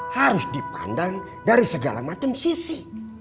harus dipandang dari segala macam sisi